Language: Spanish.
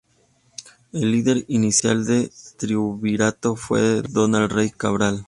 El líder inicial del Triunvirato fue Donald Reid Cabral.